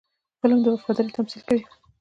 فلم د وفادارۍ تمثیل کوي